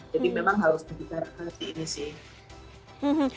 jadi memang harus lebih berhati hati ini sih